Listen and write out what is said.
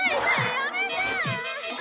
やめて！